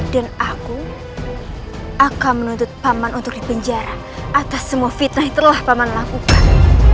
dan aku akan menuntut paman untuk dipenjara atas semua fitnah yang telah paman lakukan